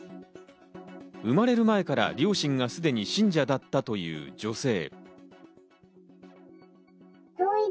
生まれる前から両親がすでに信者だったという女性。